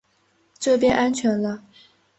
这边安全了